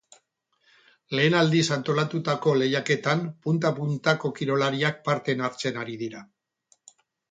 Lehen aldiz antolatutako lehiaketan punta-puntako kirolariak parte hartzen ari dira.